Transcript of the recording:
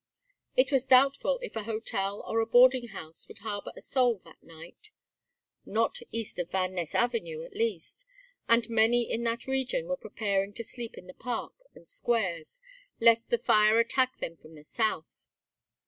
It was doubtful if a hotel or a boarding house would harbor a soul that night; not east of Van Ness Avenue, at least, and many in that region were preparing to sleep in the Park and squares, lest the fire attack them from the south.